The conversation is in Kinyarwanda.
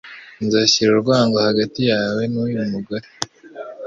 Nzashyira urwango hagati yawe n'uyu mugore